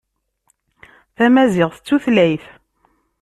Tamaziɣt d tutlayt.